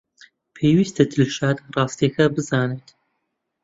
پێویستە دڵشاد ڕاستییەکە بزانێت.